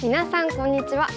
こんにちは。